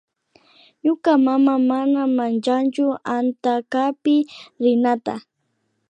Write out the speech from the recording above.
Ñuka mama mana manchanchu antankapi rinata